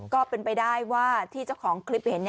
ก็เป็นไปได้ว่าที่เจ้าของคลิปเห็น